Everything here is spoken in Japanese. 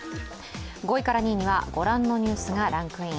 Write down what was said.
５位から２位にはご覧のようなニュースがランクイン。